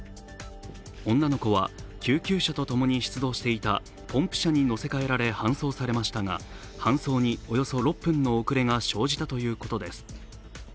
女の子は救急車と共に出動していたポンプ車に乗せかえられ搬送されましたが搬送におよそ６分の遅れが生じたということです。